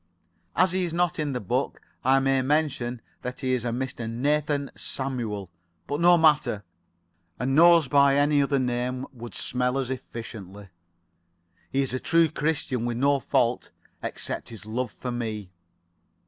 "As he is not in the book, I may mention that he is [Pg 82]a Mr. Nathan Samuel. But no matter. A nose by any other name would smell as efficiently. He is a true Christian with no fault except his love for me.